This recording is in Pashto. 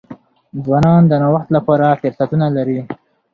ځوانان د نوښت لپاره فرصتونه لري.